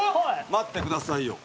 待ってくださいよ。